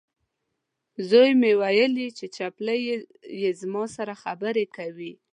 زوی مې وویلې، چې چپلۍ یې زما سره خبرې کوي.